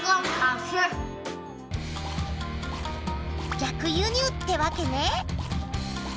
逆輸入ってわけね。